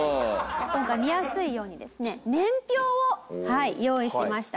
今回見やすいようにですね年表を用意しました。